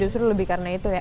justru lebih karena itu ya